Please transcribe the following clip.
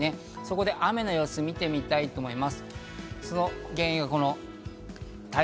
そこで雨の様子を見てみたいと思います。